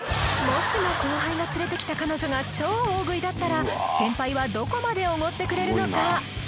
もしも後輩が連れてきた彼女が超大食いだったら先輩はどこまで奢ってくれるのか？